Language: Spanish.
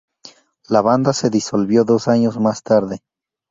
La banda se disolvió dos años más tarde.